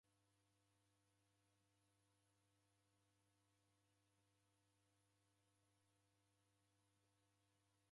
W'akuilima w'enekwa mbeu riboisiro eri richurie mapato.